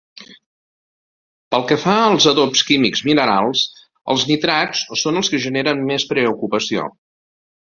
Pel que fa als adobs químics minerals, els nitrats són els que generen més preocupació.